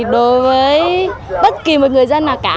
đối với bất kỳ một người dân nào cả